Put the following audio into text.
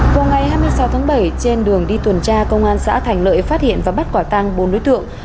vào ngày hai mươi sáu tháng bảy trên đường đi tuần tra công an xã thành lợi phát hiện và bắt quả tăng bốn đối tượng